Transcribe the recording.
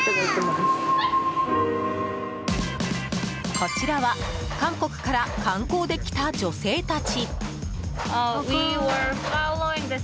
こちらは韓国から観光で来た女性たち。